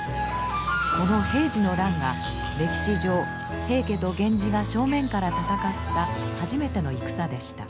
この平治の乱が歴史上平家と源氏が正面から戦った初めての戦でした。